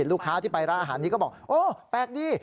ลูกค้าที่ไปร้านอาหารนี้ก็บอกโอ้แปลกดี